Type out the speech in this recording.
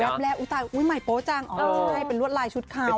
แรกอุ๊ตายอุ๊ยใหม่โป๊จังอ๋อใช่เป็นลวดลายชุดเขา